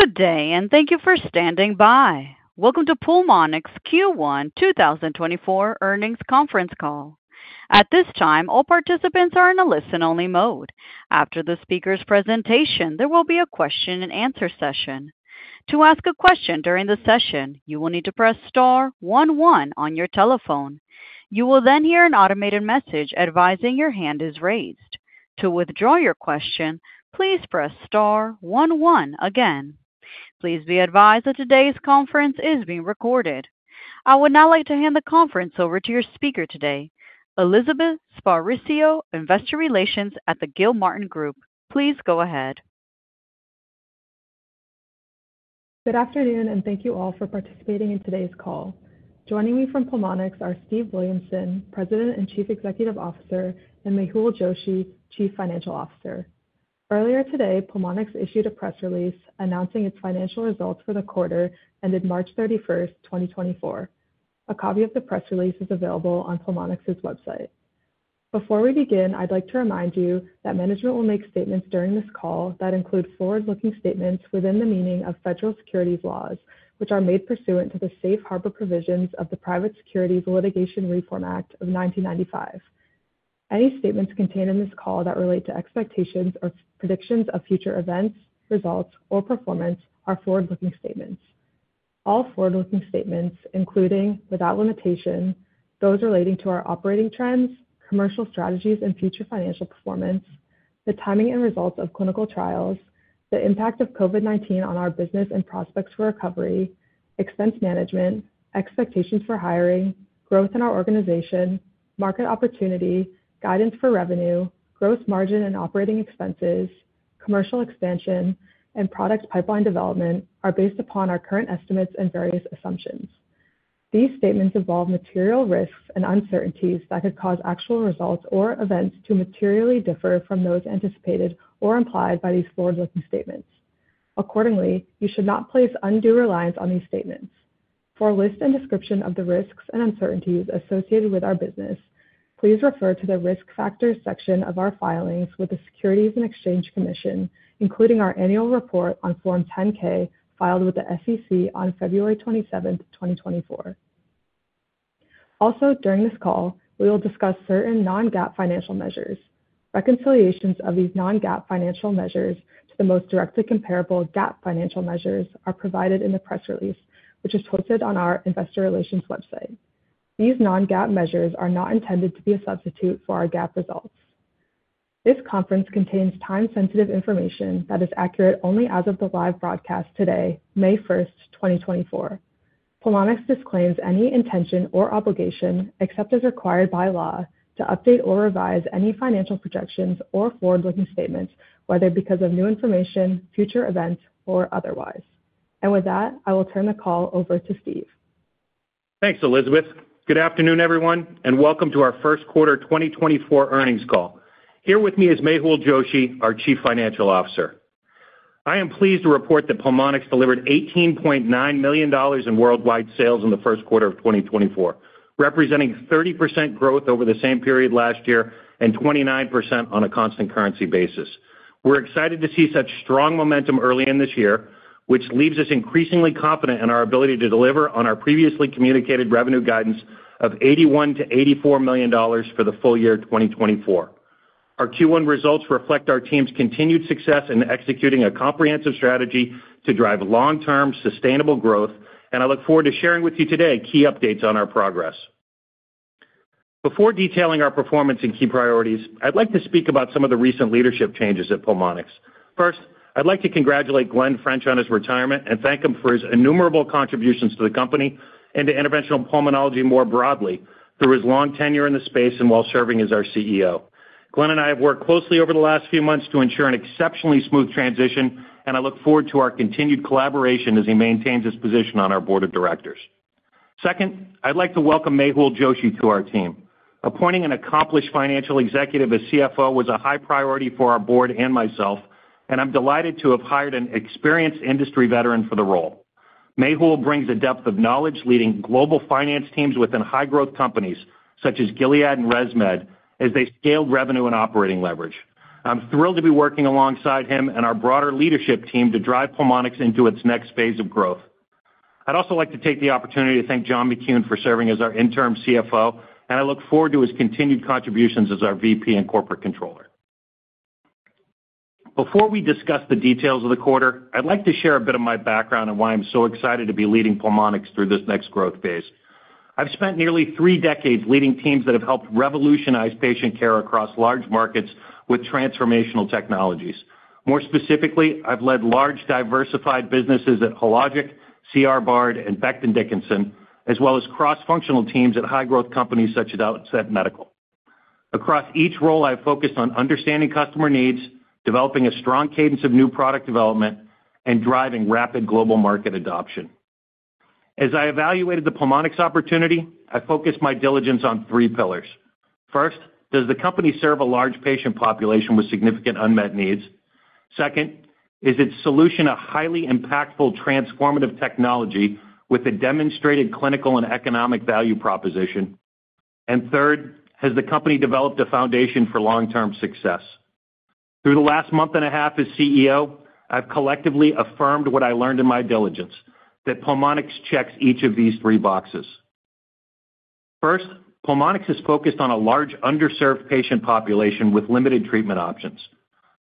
Good day, and thank you for standing by. Welcome to Pulmonx Q1 2024 earnings conference call. At this time, all participants are in a listen-only mode. After the speaker's presentation, there will be a question-and-answer session. To ask a question during the session, you will need to press star 11 on your telephone. You will then hear an automated message advising your hand is raised. To withdraw your question, please press star 11 again. Please be advised that today's conference is being recorded. I would now like to hand the conference over to your speaker today, Elizabeth Sparacio, Investor Relations at the Gilmartin Group. Please go ahead. Good afternoon, and thank you all for participating in today's call. Joining me from Pulmonx are Steve Williamson, President and Chief Executive Officer, and Mehul Joshi, Chief Financial Officer. Earlier today, Pulmonx issued a press release announcing its financial results for the quarter ended March 31, 2024. A copy of the press release is available on Pulmonx's website. Before we begin, I'd like to remind you that management will make statements during this call that include forward-looking statements within the meaning of federal securities laws, which are made pursuant to the Safe Harbor provisions of the Private Securities Litigation Reform Act of 1995. Any statements contained in this call that relate to expectations or predictions of future events, results, or performance are forward-looking statements. All forward-looking statements include, without limitation, those relating to our operating trends, commercial strategies, and future financial performance, the timing and results of clinical trials, the impact of COVID-19 on our business and prospects for recovery, expense management, expectations for hiring, growth in our organization, market opportunity, guidance for revenue, gross margin, and operating expenses, commercial expansion, and product pipeline development are based upon our current estimates and various assumptions. These statements involve material risks and uncertainties that could cause actual results or events to materially differ from those anticipated or implied by these forward-looking statements. Accordingly, you should not place undue reliance on these statements. For a list and description of the risks and uncertainties associated with our business, please refer to the risk factors section of our filings with the Securities and Exchange Commission, including our annual report on Form 10-K filed with the SEC on February 27, 2024. Also, during this call, we will discuss certain non-GAAP financial measures. Reconciliations of these non-GAAP financial measures to the most directly comparable GAAP financial measures are provided in the press release, which is posted on our Investor Relations website. These non-GAAP measures are not intended to be a substitute for our GAAP results. This conference contains time-sensitive information that is accurate only as of the live broadcast today, May 1, 2024. Pulmonx disclaims any intention or obligation, except as required by law, to update or revise any financial projections or forward-looking statements, whether because of new information, future events, or otherwise. With that, I will turn the call over to Steve. Thanks, Elizabeth. Good afternoon, everyone, and welcome to our first quarter 2024 earnings call. Here with me is Mehul Joshi, our Chief Financial Officer. I am pleased to report that Pulmonx delivered $18.9 million in worldwide sales in the first quarter of 2024, representing 30% growth over the same period last year and 29% on a constant currency basis. We're excited to see such strong momentum early in this year, which leaves us increasingly confident in our ability to deliver on our previously communicated revenue guidance of $81-$84 million for the full year 2024. Our Q1 results reflect our team's continued success in executing a comprehensive strategy to drive long-term, sustainable growth, and I look forward to sharing with you today key updates on our progress. Before detailing our performance and key priorities, I'd like to speak about some of the recent leadership changes at Pulmonx. First, I'd like to congratulate Glen French on his retirement and thank him for his innumerable contributions to the company and to interventional pulmonology more broadly through his long tenure in the space and while serving as our CEO. Glen and I have worked closely over the last few months to ensure an exceptionally smooth transition, and I look forward to our continued collaboration as he maintains his position on our board of directors. Second, I'd like to welcome Mehul Joshi to our team. Appointing an accomplished financial executive as CFO was a high priority for our board and myself, and I'm delighted to have hired an experienced industry veteran for the role. Mehul brings a depth of knowledge leading global finance teams within high-growth companies such as Gilead and ResMed as they scale revenue and operating leverage. I'm thrilled to be working alongside him and our broader leadership team to drive Pulmonx into its next phase of growth. I'd also like to take the opportunity to thank John McKune for serving as our interim CFO, and I look forward to his continued contributions as our VP and corporate controller. Before we discuss the details of the quarter, I'd like to share a bit of my background and why I'm so excited to be leading Pulmonx through this next growth phase. I've spent nearly three decades leading teams that have helped revolutionize patient care across large markets with transformational technologies. More specifically, I've led large, diversified businesses at Hologic, C. R. Bard, and Becton Dickinson, as well as cross-functional teams at high-growth companies such as Outset Medical. Across each role, I've focused on understanding customer needs, developing a strong cadence of new product development, and driving rapid global market adoption. As I evaluated the Pulmonx opportunity, I focused my diligence on three pillars. First, does the company serve a large patient population with significant unmet needs? Second, is its solution a highly impactful, transformative technology with a demonstrated clinical and economic value proposition? And third, has the company developed a foundation for long-term success? Through the last month and a half as CEO, I've collectively affirmed what I learned in my diligence: that Pulmonx checks each of these three boxes. First, Pulmonx is focused on a large, underserved patient population with limited treatment options.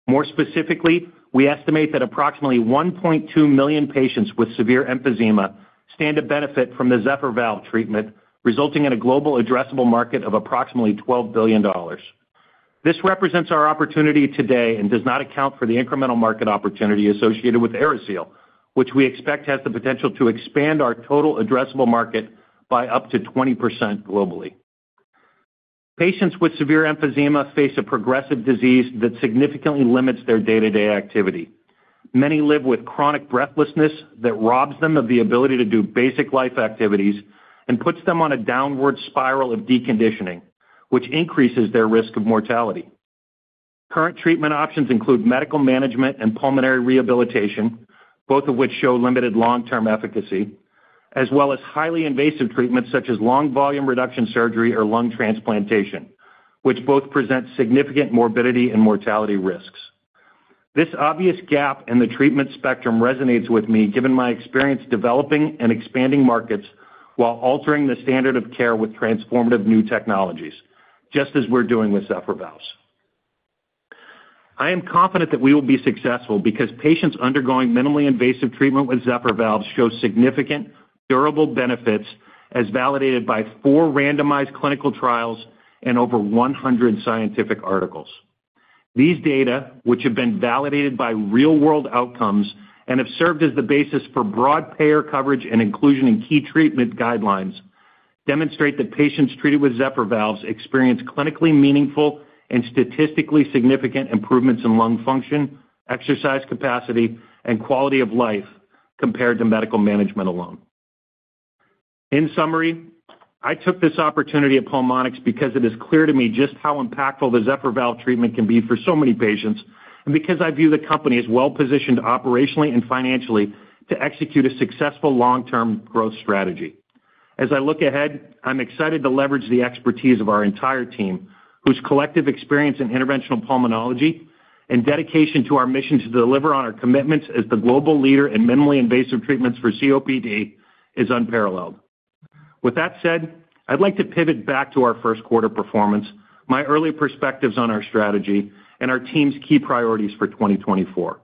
More specifically, we estimate that approximately 1.2 million patients with severe emphysema stand to benefit from the Zephyr Valve treatment, resulting in a global addressable market of approximately $12 billion. This represents our opportunity today and does not account for the incremental market opportunity associated with AeriSeal, which we expect has the potential to expand our total addressable market by up to 20% globally. Patients with severe emphysema face a progressive disease that significantly limits their day-to-day activity. Many live with chronic breathlessness that robs them of the ability to do basic life activities and puts them on a downward spiral of deconditioning, which increases their risk of mortality. Current treatment options include medical management and pulmonary rehabilitation, both of which show limited long-term efficacy, as well as highly invasive treatments such as lung volume reduction surgery or lung transplantation, which both present significant morbidity and mortality risks. This obvious gap in the treatment spectrum resonates with me given my experience developing and expanding markets while altering the standard of care with transformative new technologies, just as we're doing with Zephyr Valves. I am confident that we will be successful because patients undergoing minimally invasive treatment with Zephyr Valves show significant, durable benefits, as validated by four randomized clinical trials and over 100 scientific articles. These data, which have been validated by real-world outcomes and have served as the basis for broad payer coverage and inclusion in key treatment guidelines, demonstrate that patients treated with Zephyr Valves experience clinically meaningful and statistically significant improvements in lung function, exercise capacity, and quality of life compared to medical management alone. In summary, I took this opportunity at Pulmonx because it is clear to me just how impactful the Zephyr Valve treatment can be for so many patients and because I view the company as well-positioned operationally and financially to execute a successful long-term growth strategy. As I look ahead, I'm excited to leverage the expertise of our entire team, whose collective experience in interventional pulmonology and dedication to our mission to deliver on our commitments as the global leader in minimally invasive treatments for COPD is unparalleled. With that said, I'd like to pivot back to our first quarter performance, my early perspectives on our strategy, and our team's key priorities for 2024.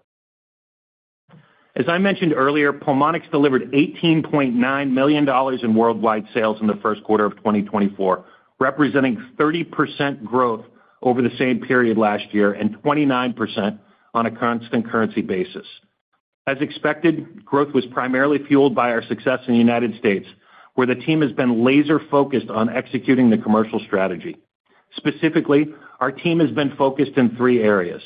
As I mentioned earlier, Pulmonx delivered $18.9 million in worldwide sales in the first quarter of 2024, representing 30% growth over the same period last year and 29% on a constant currency basis. As expected, growth was primarily fueled by our success in the United States, where the team has been laser-focused on executing the commercial strategy. Specifically, our team has been focused in three areas.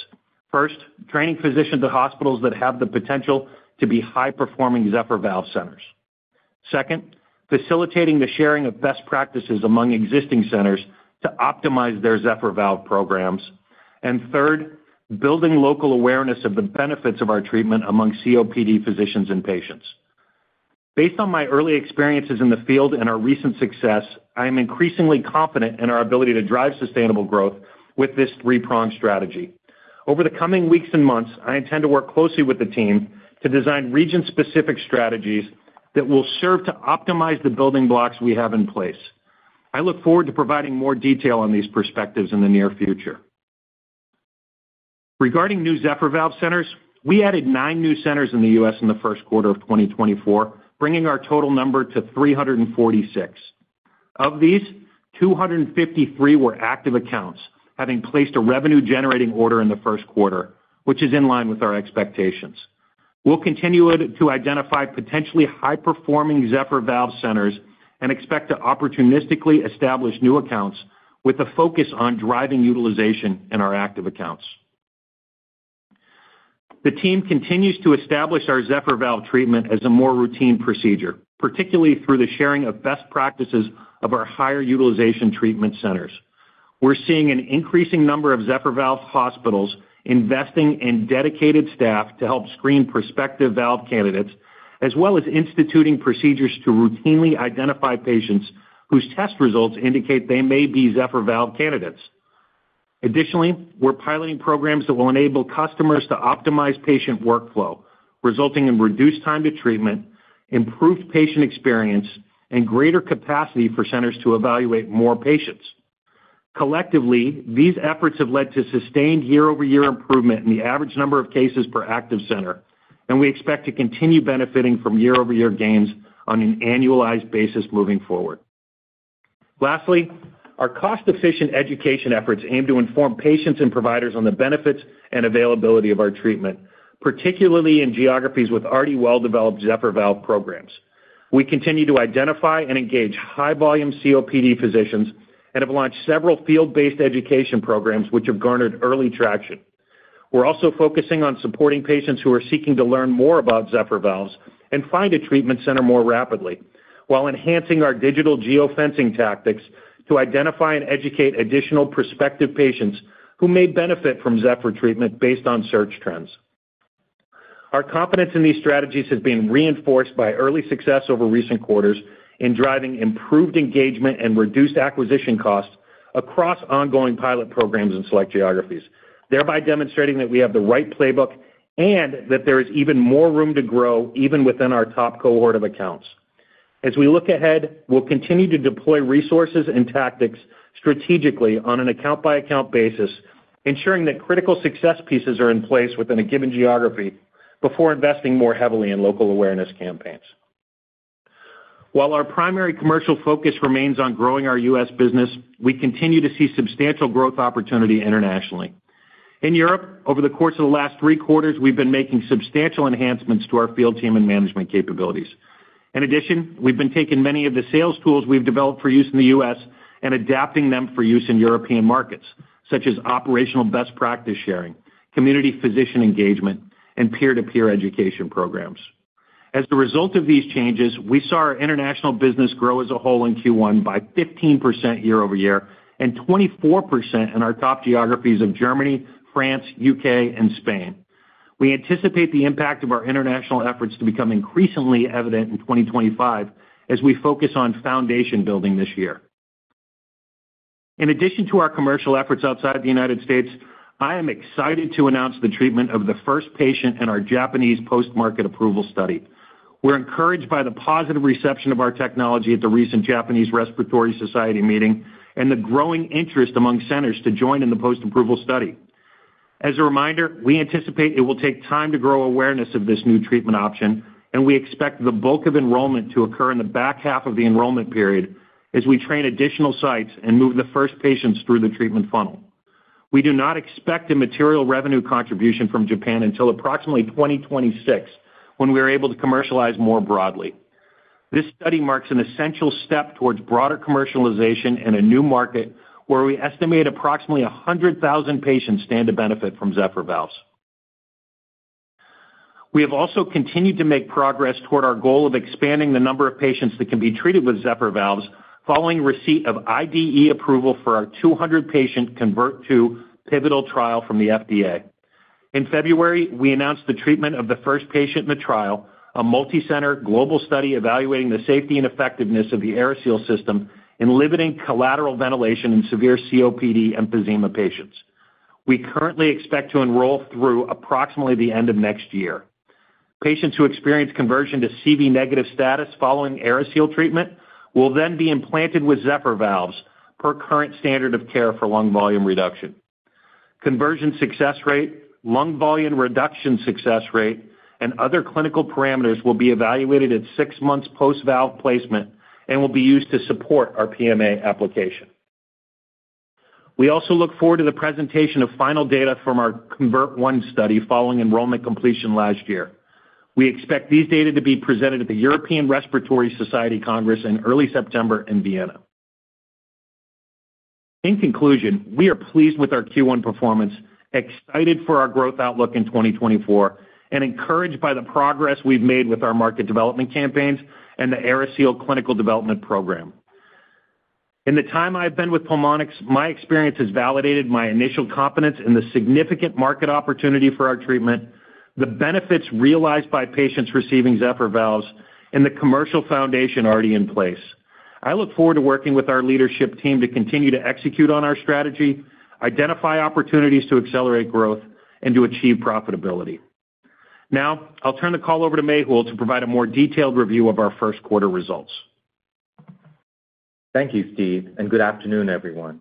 First, training physicians at hospitals that have the potential to be high-performing Zephyr Valve centers. Second, facilitating the sharing of best practices among existing centers to optimize their Zephyr Valve programs. And third, building local awareness of the benefits of our treatment among COPD physicians and patients. Based on my early experiences in the field and our recent success, I am increasingly confident in our ability to drive sustainable growth with this three-pronged strategy. Over the coming weeks and months, I intend to work closely with the team to design region-specific strategies that will serve to optimize the building blocks we have in place. I look forward to providing more detail on these perspectives in the near future. Regarding new Zephyr Valve centers, we added 9 new centers in the U.S. in the first quarter of 2024, bringing our total number to 346. Of these, 253 were active accounts, having placed a revenue-generating order in the first quarter, which is in line with our expectations. We'll continue to identify potentially high-performing Zephyr Valve centers and expect to opportunistically establish new accounts with a focus on driving utilization in our active accounts. The team continues to establish our Zephyr Valve treatment as a more routine procedure, particularly through the sharing of best practices of our higher utilization treatment centers. We're seeing an increasing number of Zephyr Valve hospitals investing in dedicated staff to help screen prospective valve candidates, as well as instituting procedures to routinely identify patients whose test results indicate they may be Zephyr Valve candidates. Additionally, we're piloting programs that will enable customers to optimize patient workflow, resulting in reduced time to treatment, improved patient experience, and greater capacity for centers to evaluate more patients. Collectively, these efforts have led to sustained year-over-year improvement in the average number of cases per active center, and we expect to continue benefiting from year-over-year gains on an annualized basis moving forward. Lastly, our cost-efficient education efforts aim to inform patients and providers on the benefits and availability of our treatment, particularly in geographies with already well-developed Zephyr Valve programs. We continue to identify and engage high-volume COPD physicians and have launched several field-based education programs which have garnered early traction. We're also focusing on supporting patients who are seeking to learn more about Zephyr Valves and find a treatment center more rapidly, while enhancing our digital geofencing tactics to identify and educate additional prospective patients who may benefit from Zephyr treatment based on search trends. Our confidence in these strategies has been reinforced by early success over recent quarters in driving improved engagement and reduced acquisition costs across ongoing pilot programs in select geographies, thereby demonstrating that we have the right playbook and that there is even more room to grow even within our top cohort of accounts. As we look ahead, we'll continue to deploy resources and tactics strategically on an account-by-account basis, ensuring that critical success pieces are in place within a given geography before investing more heavily in local awareness campaigns. While our primary commercial focus remains on growing our U.S. business, we continue to see substantial growth opportunity internationally. In Europe, over the course of the last three quarters, we've been making substantial enhancements to our field team and management capabilities. In addition, we've been taking many of the sales tools we've developed for use in the U.S. and adapting them for use in European markets, such as operational best practice sharing, community physician engagement, and peer-to-peer education programs. As a result of these changes, we saw our international business grow as a whole in Q1 by 15% year-over-year and 24% in our top geographies of Germany, France, U.K., and Spain. We anticipate the impact of our international efforts to become increasingly evident in 2025 as we focus on foundation building this year. In addition to our commercial efforts outside the United States, I am excited to announce the treatment of the first patient in our Japanese post-market approval study. We're encouraged by the positive reception of our technology at the recent Japanese Respiratory Society meeting and the growing interest among centers to join in the post-approval study. As a reminder, we anticipate it will take time to grow awareness of this new treatment option, and we expect the bulk of enrollment to occur in the back half of the enrollment period as we train additional sites and move the first patients through the treatment funnel. We do not expect a material revenue contribution from Japan until approximately 2026 when we are able to commercialize more broadly. This study marks an essential step towards broader commercialization in a new market where we estimate approximately 100,000 patients stand to benefit from Zephyr Valves. We have also continued to make progress toward our goal of expanding the number of patients that can be treated with Zephyr Valves following receipt of IDE approval for our 200-patient CONVERT II pivotal trial from the FDA. In February, we announced the treatment of the first patient in the trial, a multi-center global study evaluating the safety and effectiveness of the AeriSeal system in limiting collateral ventilation in severe COPD emphysema patients. We currently expect to enroll through approximately the end of next year. Patients who experience conversion to CV-negative status following AeriSeal treatment will then be implanted with Zephyr Valves per current standard of care for lung volume reduction. Conversion success rate, lung volume reduction success rate, and other clinical parameters will be evaluated at six months post-valve placement and will be used to support our PMA application. We also look forward to the presentation of final data from our CONVERT study following enrollment completion last year. We expect these data to be presented at the European Respiratory Society Congress in early September in Vienna. In conclusion, we are pleased with our Q1 performance, excited for our growth outlook in 2024, and encouraged by the progress we've made with our market development campaigns and the AeriSeal clinical development program. In the time I've been with Pulmonx, my experience has validated my initial confidence in the significant market opportunity for our treatment, the benefits realized by patients receiving Zephyr Valves, and the commercial foundation already in place. I look forward to working with our leadership team to continue to execute on our strategy, identify opportunities to accelerate growth, and to achieve profitability. Now, I'll turn the call over to Mehul to provide a more detailed review of our first quarter results. Thank you, Steve, and good afternoon, everyone.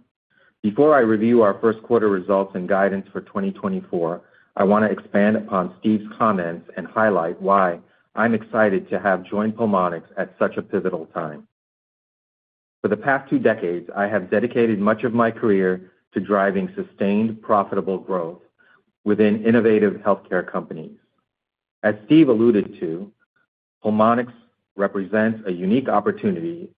Before I review our first quarter results and guidance for 2024, I want to expand upon Steve's comments and highlight why I'm excited to have joined Pulmonx at such a pivotal time. For the past two decades, I have dedicated much of my career to driving sustained, profitable growth within innovative healthcare companies. As Steve alluded to, Pulmonx represents a unique opportunity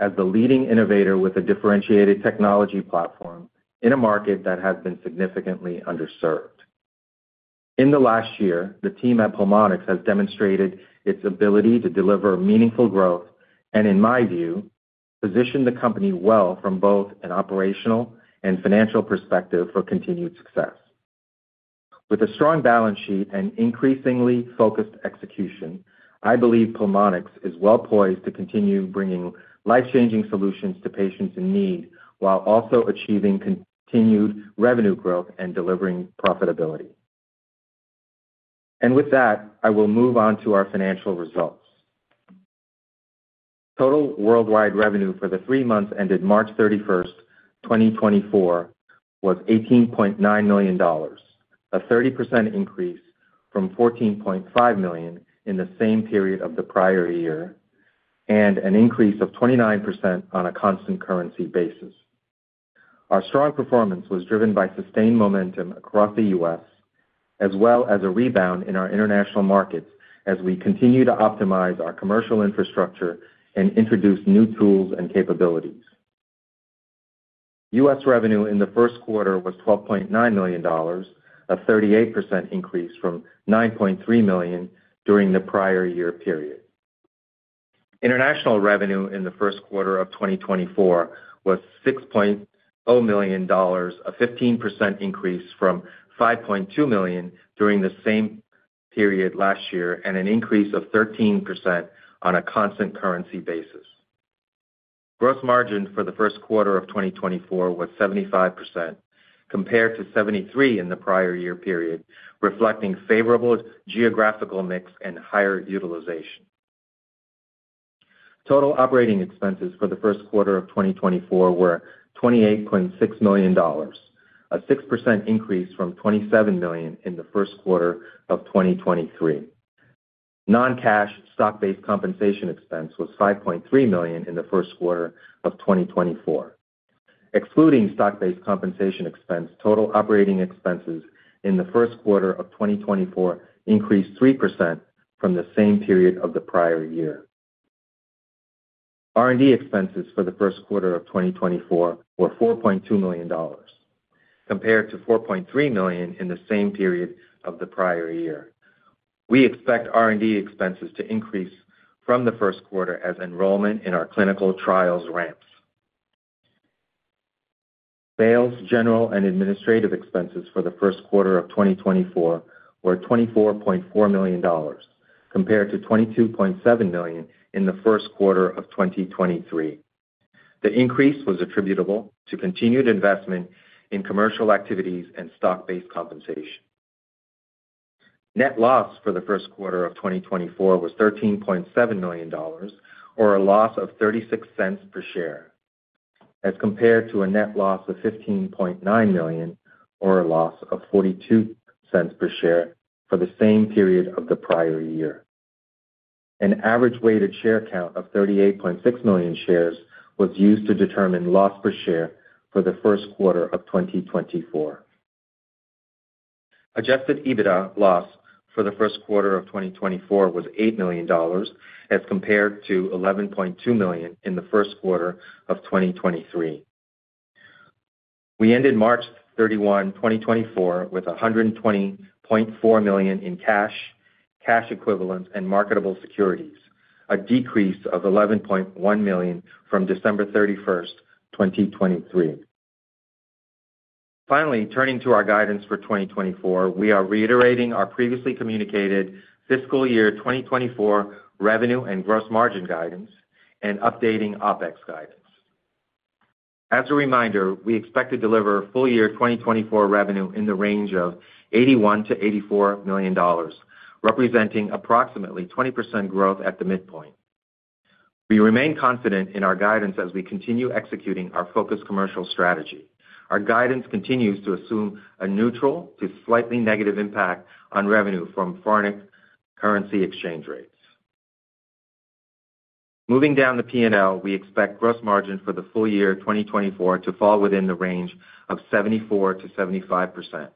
as the leading innovator with a differentiated technology platform in a market that has been significantly underserved. In the last year, the team at Pulmonx has demonstrated its ability to deliver meaningful growth and, in my view, position the company well from both an operational and financial perspective for continued success. With a strong balance sheet and increasingly focused execution, I believe Pulmonx is well-poised to continue bringing life-changing solutions to patients in need while also achieving continued revenue growth and delivering profitability. And with that, I will move on to our financial results. Total worldwide revenue for the three months ended March 31st, 2024, was $18.9 million, a 30% increase from $14.5 million in the same period of the prior year and an increase of 29% on a constant currency basis. Our strong performance was driven by sustained momentum across the U.S. as well as a rebound in our international markets as we continue to optimize our commercial infrastructure and introduce new tools and capabilities. U.S. revenue in the first quarter was $12.9 million, a 38% increase from $9.3 million during the prior year period. International revenue in the first quarter of 2024 was $6.0 million, a 15% increase from $5.2 million during the same period last year and an increase of 13% on a constant currency basis. Gross margin for the first quarter of 2024 was 75% compared to 73% in the prior year period, reflecting favorable geographical mix and higher utilization. Total operating expenses for the first quarter of 2024 were $28.6 million, a 6% increase from $27 million in the first quarter of 2023. Non-cash stock-based compensation expense was $5.3 million in the first quarter of 2024. Excluding stock-based compensation expense, total operating expenses in the first quarter of 2024 increased 3% from the same period of the prior year. R&D expenses for the first quarter of 2024 were $4.2 million compared to $4.3 million in the same period of the prior year. We expect R&D expenses to increase from the first quarter as enrollment in our clinical trials ramps. Sales, general, and administrative expenses for the first quarter of 2024 were $24.4 million compared to $22.7 million in the first quarter of 2023. The increase was attributable to continued investment in commercial activities and stock-based compensation. Net loss for the first quarter of 2024 was $13.7 million, or a loss of $0.36 per share, as compared to a net loss of $15.9 million, or a loss of $0.42 per share for the same period of the prior year. An average weighted share count of 38.6 million shares was used to determine loss per share for the first quarter of 2024. Adjusted EBITDA loss for the first quarter of 2024 was $8 million as compared to $11.2 million in the first quarter of 2023. We ended March 31, 2024, with $120.4 million in cash, cash equivalents, and marketable securities, a decrease of $11.1 million from December 31st, 2023. Finally, turning to our guidance for 2024, we are reiterating our previously communicated fiscal year 2024 revenue and gross margin guidance and updating OpEx guidance. As a reminder, we expect to deliver full-year 2024 revenue in the range of $81-$84 million, representing approximately 20% growth at the midpoint. We remain confident in our guidance as we continue executing our focused commercial strategy. Our guidance continues to assume a neutral to slightly negative impact on revenue from foreign currency exchange rates. Moving down the P&L, we expect gross margin for the full year 2024 to fall within the range of 74%-75%.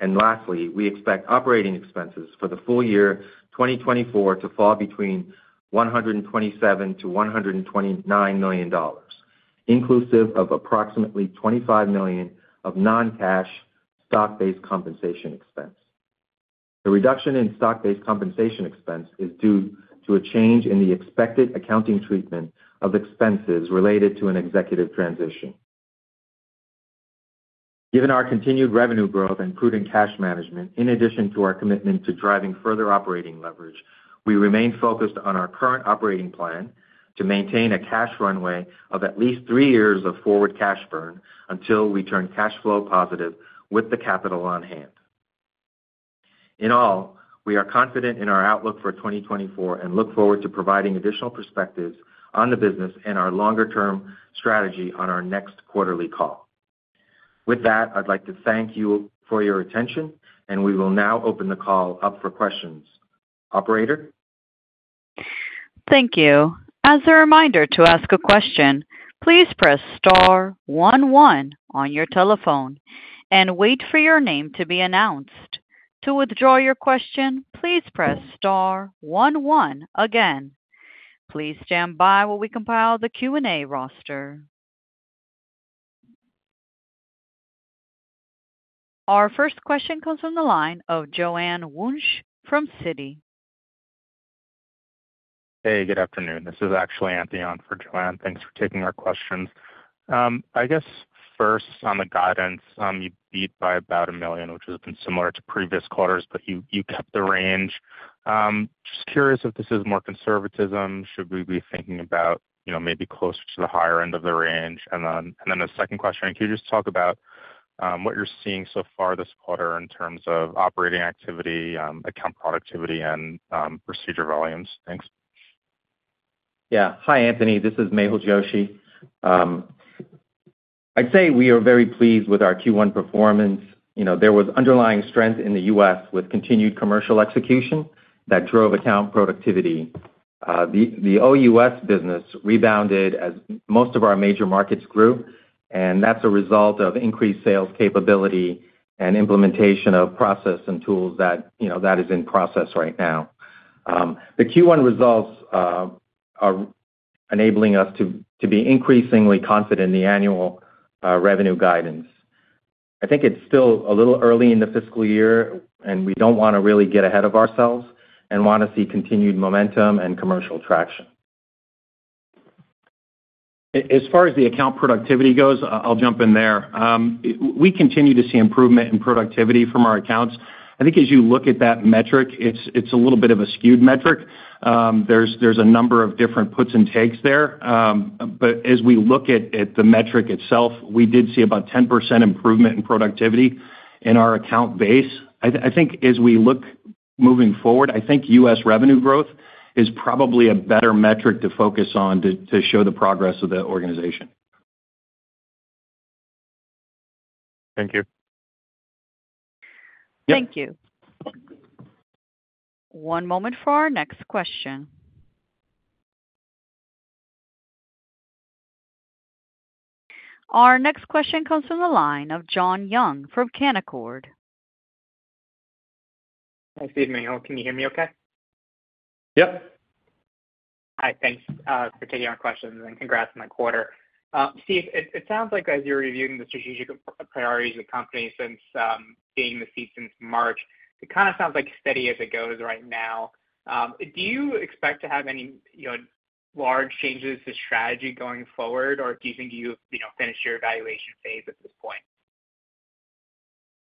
And lastly, we expect operating expenses for the full year 2024 to fall between $127-$129 million, inclusive of approximately $25 million of non-cash stock-based compensation expense. The reduction in stock-based compensation expense is due to a change in the expected accounting treatment of expenses related to an executive transition. Given our continued revenue growth and prudent cash management, in addition to our commitment to driving further operating leverage, we remain focused on our current operating plan to maintain a cash runway of at least three years of forward cash burn until we turn cash flow positive with the capital on hand. In all, we are confident in our outlook for 2024 and look forward to providing additional perspectives on the business and our longer-term strategy on our next quarterly call. With that, I'd like to thank you for your attention, and we will now open the call up for questions. Operator? Thank you. As a reminder to ask a question, please press star 11 on your telephone and wait for your name to be announced. To withdraw your question, please press star 11 again. Please stand by while we compile the Q&A roster. Our first question comes from the line of Joanne Wuensch from Citi. Hey, good afternoon. This is actually Anthony on for Joanne. Thanks for taking our questions. I guess first, on the guidance, you beat by about $1 million, which has been similar to previous quarters, but you kept the range. Just curious if this is more conservatism. Should we be thinking about maybe closer to the higher end of the range? And then a second question, can you just talk about what you're seeing so far this quarter in terms of operating activity, account productivity, and procedure volumes? Thanks. Yeah. Hi, Anthony. This is Mehul Joshi. I'd say we are very pleased with our Q1 performance. There was underlying strength in the U.S. with continued commercial execution that drove account productivity. The OUS business rebounded as most of our major markets grew, and that's a result of increased sales capability and implementation of process and tools that is in process right now. The Q1 results are enabling us to be increasingly confident in the annual revenue guidance. I think it's still a little early in the fiscal year, and we don't want to really get ahead of ourselves and want to see continued momentum and commercial traction. As far as the account productivity goes, I'll jump in there. We continue to see improvement in productivity from our accounts. I think as you look at that metric, it's a little bit of a skewed metric. There's a number of different puts and takes there. As we look at the metric itself, we did see about 10% improvement in productivity in our account base. I think as we look moving forward, I think U.S. revenue growth is probably a better metric to focus on to show the progress of the organization. Thank you. Thank you. One moment for our next question. Our next question comes from the line of John Young from Canaccord. Hi, Steve Mehul. Can you hear me okay? Yep. Hi. Thanks for taking our questions and congrats on the quarter. Steve, it sounds like as you're reviewing the strategic priorities of the company since gaining the seat since March, it kind of sounds like steady as it goes right now. Do you expect to have any large changes to strategy going forward, or do you think you've finished your evaluation phase at this point?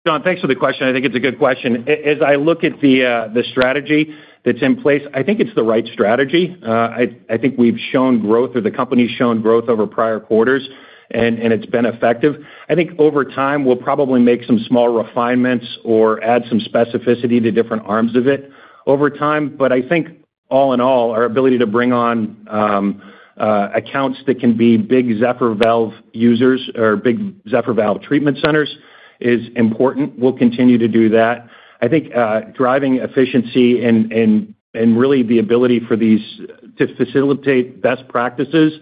John, thanks for the question. I think it's a good question. As I look at the strategy that's in place, I think it's the right strategy. I think we've shown growth, or the company's shown growth over prior quarters, and it's been effective. I think over time, we'll probably make some small refinements or add some specificity to different arms of it over time. But I think all in all, our ability to bring on accounts that can be big Zephyr Valve users or big Zephyr Valve treatment centers is important. We'll continue to do that. I think driving efficiency and really the ability to facilitate best practices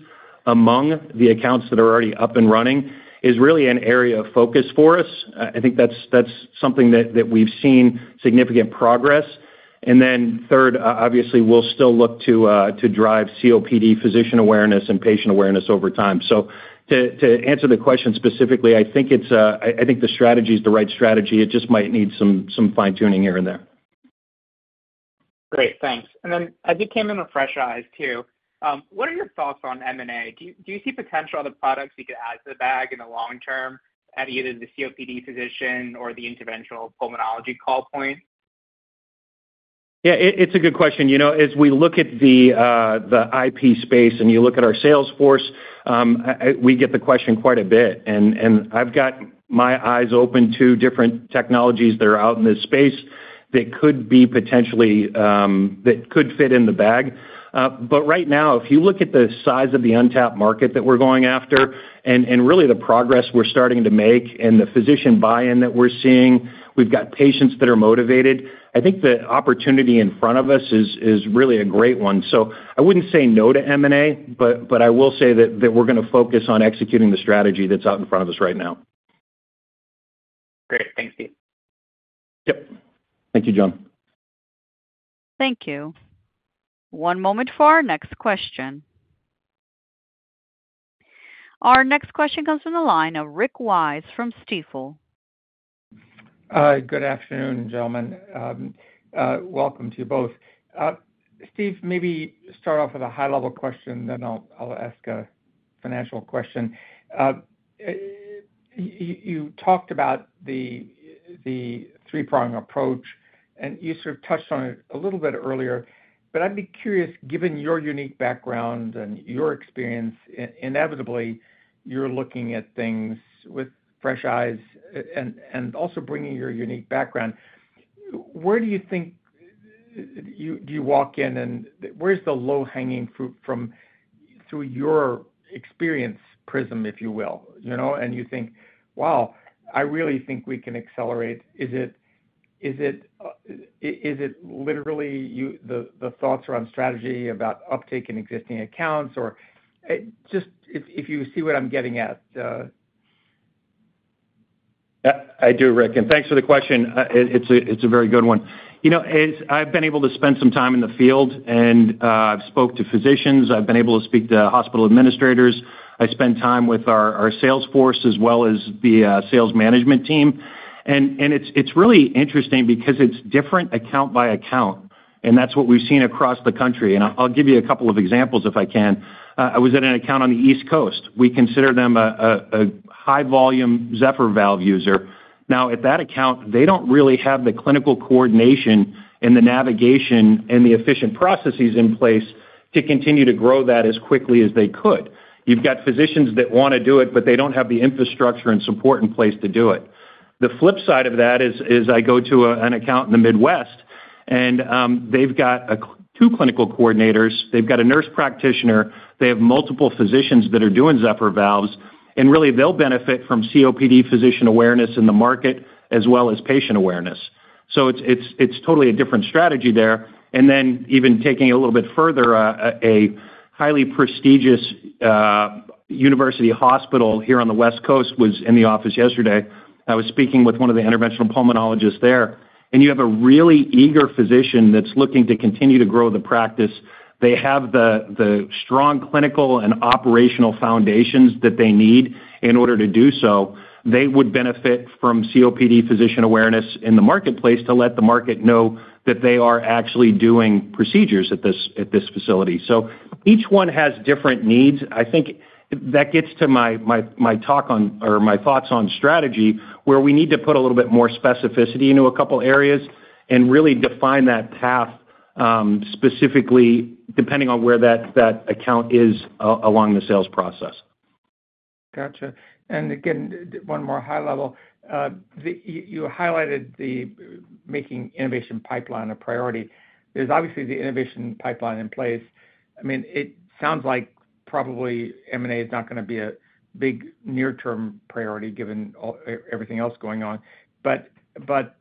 among the accounts that are already up and running is really an area of focus for us. I think that's something that we've seen significant progress. And then third, obviously, we'll still look to drive COPD physician awareness and patient awareness over time. To answer the question specifically, I think the strategy is the right strategy. It just might need some fine-tuning here and there. Great. Thanks. And then as you came in with fresh eyes too, what are your thoughts on M&A? Do you see potential other products you could add to the bag in the long term at either the COPD physician or the interventional pulmonology call point? Yeah, it's a good question. As we look at the IP space and you look at our sales force, we get the question quite a bit. And I've got my eyes open to different technologies that are out in this space that could potentially fit in the bag. But right now, if you look at the size of the untapped market that we're going after and really the progress we're starting to make and the physician buy-in that we're seeing, we've got patients that are motivated. I think the opportunity in front of us is really a great one. So I wouldn't say no to M&A, but I will say that we're going to focus on executing the strategy that's out in front of us right now. Great. Thanks, Steve. Yep. Thank you, John. Thank you. One moment for our next question. Our next question comes from the line of Rick Wise from Stifel. Good afternoon, gentlemen. Welcome to you both. Steve, maybe start off with a high-level question, then I'll ask a financial question. You talked about the three-pronged approach, and you sort of touched on it a little bit earlier. But I'd be curious, given your unique background and your experience, inevitably, you're looking at things with fresh eyes and also bringing your unique background. Where do you think do you walk in, and where's the low-hanging fruit through your experience prism, if you will, and you think, "Wow, I really think we can accelerate"? Is it literally the thoughts around strategy about uptake in existing accounts, or just if you see what I'm getting at? I do, Rick. Thanks for the question. It's a very good one. I've been able to spend some time in the field, and I've spoke to physicians. I've been able to speak to hospital administrators. I spend time with our sales force as well as the sales management team. It's really interesting because it's different account by account, and that's what we've seen across the country. I'll give you a couple of examples if I can. I was at an account on the East Coast. We consider them a high-volume Zephyr Valve user. Now, at that account, they don't really have the clinical coordination and the navigation and the efficient processes in place to continue to grow that as quickly as they could. You've got physicians that want to do it, but they don't have the infrastructure and support in place to do it. The flip side of that is I go to an account in the Midwest, and they've got two clinical coordinators. They've got a nurse practitioner. They have multiple physicians that are doing Zephyr Valves. And really, they'll benefit from COPD physician awareness in the market as well as patient awareness. So it's totally a different strategy there. And then even taking it a little bit further, a highly prestigious university hospital here on the West Coast was in the office yesterday. I was speaking with one of the interventional pulmonologists there. And you have a really eager physician that's looking to continue to grow the practice. They have the strong clinical and operational foundations that they need in order to do so. They would benefit from COPD physician awareness in the marketplace to let the market know that they are actually doing procedures at this facility. Each one has different needs. I think that gets to my talk on or my thoughts on strategy, where we need to put a little bit more specificity into a couple of areas and really define that path specifically depending on where that account is along the sales process. Gotcha. And again, one more high-level. You highlighted making innovation pipeline a priority. There's obviously the innovation pipeline in place. I mean, it sounds like probably M&A is not going to be a big near-term priority given everything else going on. But what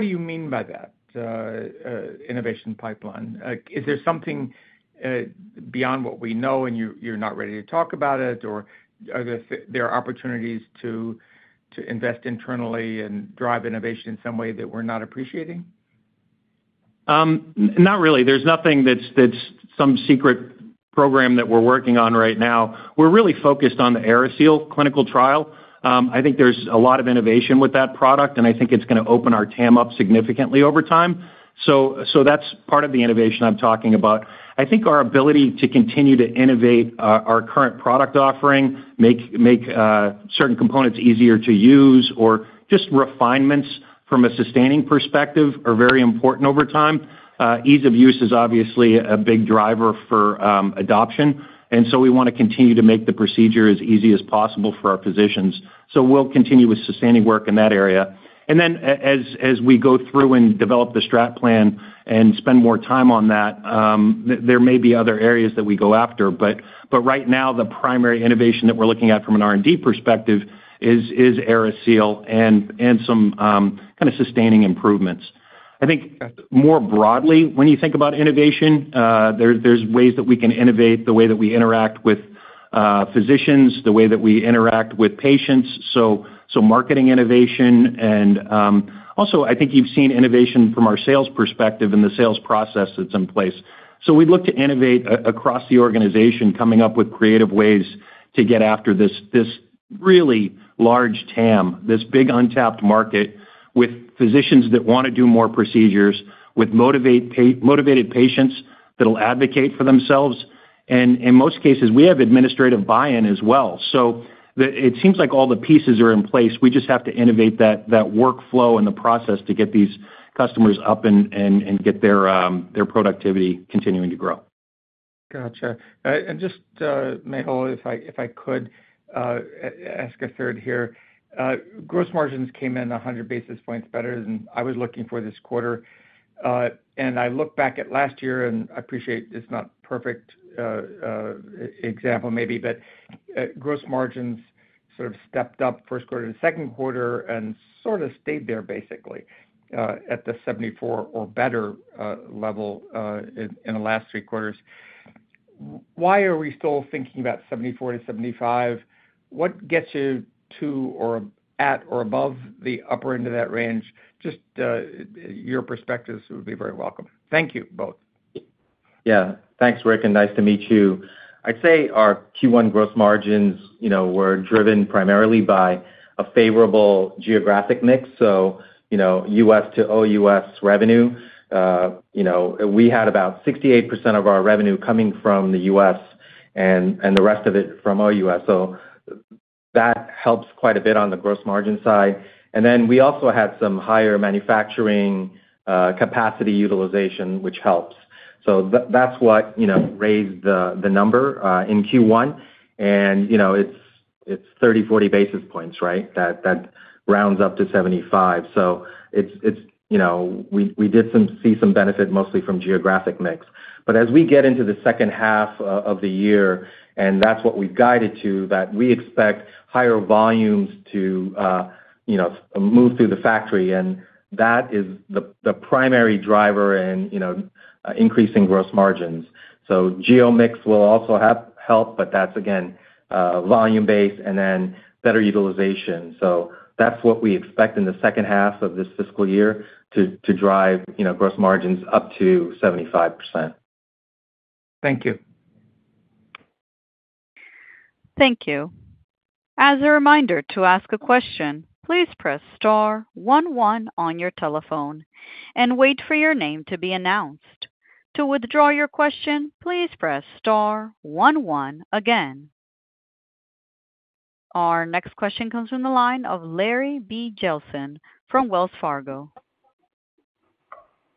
do you mean by that innovation pipeline? Is there something beyond what we know, and you're not ready to talk about it, or are there opportunities to invest internally and drive innovation in some way that we're not appreciating? Not really. There's nothing that's some secret program that we're working on right now. We're really focused on the AeriSeal clinical trial. I think there's a lot of innovation with that product, and I think it's going to open our TAM up significantly over time. So that's part of the innovation I'm talking about. I think our ability to continue to innovate our current product offering, make certain components easier to use, or just refinements from a sustaining perspective are very important over time. Ease of use is obviously a big driver for adoption. And so we want to continue to make the procedure as easy as possible for our physicians. So we'll continue with sustaining work in that area. And then as we go through and develop the strategic plan and spend more time on that, there may be other areas that we go after. But right now, the primary innovation that we're looking at from an R&D perspective is AeriSeal and some kind of sustaining improvements. I think more broadly, when you think about innovation, there's ways that we can innovate the way that we interact with physicians, the way that we interact with patients. So marketing innovation. And also, I think you've seen innovation from our sales perspective and the sales process that's in place. So we'd look to innovate across the organization, coming up with creative ways to get after this really large TAM, this big untapped market with physicians that want to do more procedures, with motivated patients that'll advocate for themselves. And in most cases, we have administrative buy-in as well. So it seems like all the pieces are in place. We just have to innovate that workflow and the process to get these customers up and get their productivity continuing to grow. Gotcha. And just Mehul, if I could ask a third here. Gross margins came in 100 basis points better than I was looking for this quarter. And I look back at last year, and I appreciate it's not a perfect example maybe, but gross margins sort of stepped up first quarter to second quarter and sort of stayed there basically at the 74% or better level in the last three quarters. Why are we still thinking about 74%-75%? What gets you at or above the upper end of that range? Just your perspectives would be very welcome. Thank you both. Yeah. Thanks, Rick. And nice to meet you. I'd say our Q1 gross margins were driven primarily by a favorable geographic mix, so U.S. to OUS revenue. We had about 68% of our revenue coming from the U.S. and the rest of it from OUS. So that helps quite a bit on the gross margin side. And then we also had some higher manufacturing capacity utilization, which helps. So that's what raised the number in Q1. And it's 30-40 basis points, right? That rounds up to 75. So we did see some benefit mostly from geographic mix. But as we get into the second half of the year, and that's what we've guided to, that we expect higher volumes to move through the factory. And that is the primary driver in increasing gross margins. So geo mix will also help, but that's, again, volume-based and then better utilization. That's what we expect in the second half of this fiscal year to drive gross margins up to 75%. Thank you. Thank you. As a reminder to ask a question, please press star 11 on your telephone and wait for your name to be announced. To withdraw your question, please press star 11 again. Our next question comes from the line of Larry Biegelsen from Wells Fargo.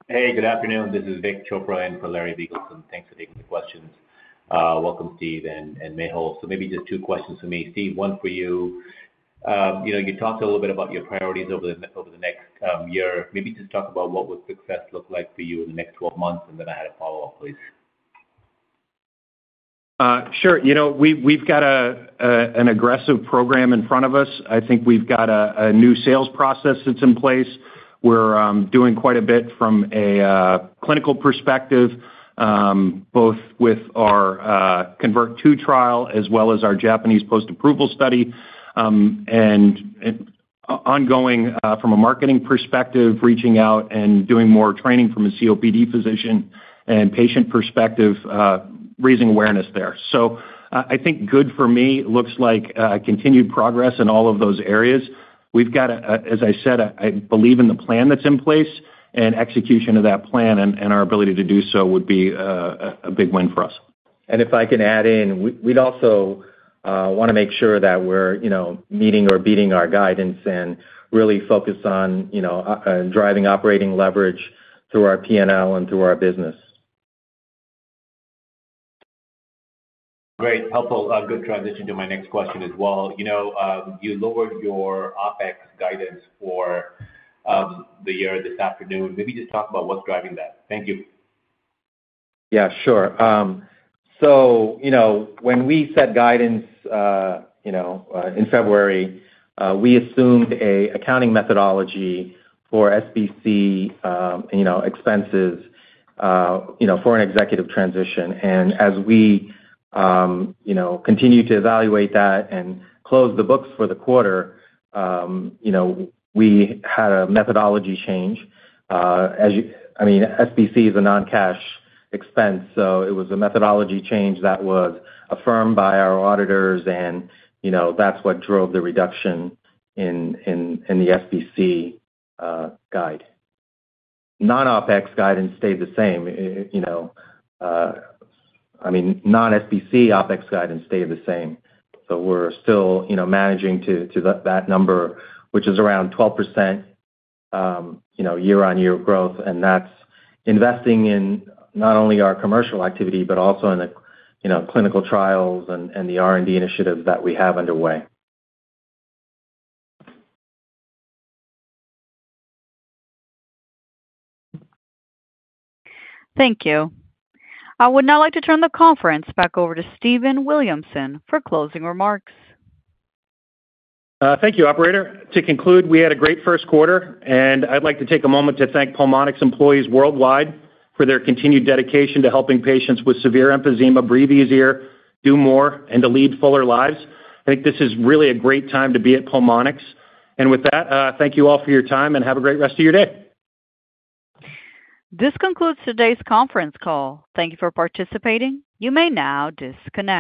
Hey, good afternoon. This is Vik Chopra in for Larry Biegelsen. Thanks for taking the questions. Welcome, Steve and Mehul. So maybe just two questions for me, Steve, one for you. You talked a little bit about your priorities over the next year. Maybe just talk about what would success look like for you in the next 12 months, and then I had a follow-up, please. Sure. We've got an aggressive program in front of us. I think we've got a new sales process that's in place. We're doing quite a bit from a clinical perspective, both with our CONVERT II trial as well as our Japanese post-approval study, and ongoing from a marketing perspective, reaching out and doing more training from a COPD physician and patient perspective, raising awareness there. So I think good for me looks like continued progress in all of those areas. We've got, as I said, I believe in the plan that's in place, and execution of that plan and our ability to do so would be a big win for us. If I can add in, we'd also want to make sure that we're meeting or beating our guidance and really focus on driving operating leverage through our P&L and through our business. Great. Helpful. Good transition to my next question as well. You lowered your OpEx guidance for the year this afternoon. Maybe just talk about what's driving that. Thank you. Yeah, sure. So when we set guidance in February, we assumed an accounting methodology for SBC expenses for an executive transition. And as we continue to evaluate that and close the books for the quarter, we had a methodology change. I mean, SBC is a non-cash expense, so it was a methodology change that was affirmed by our auditors, and that's what drove the reduction in the SBC guide. Non-OpEx guidance stayed the same. I mean, non-SBC OpEx guidance stayed the same. So we're still managing to that number, which is around 12% year-over-year growth. And that's investing in not only our commercial activity but also in the clinical trials and the R&D initiatives that we have underway. Thank you. I would now like to turn the conference back over to Steven Williamson for closing remarks. Thank you, operator. To conclude, we had a great first quarter, and I'd like to take a moment to thank Pulmonx employees worldwide for their continued dedication to helping patients with severe emphysema breathe easier, do more, and to lead fuller lives. I think this is really a great time to be at Pulmonx. And with that, thank you all for your time, and have a great rest of your day. This concludes today's conference call. Thank you for participating. You may now disconnect.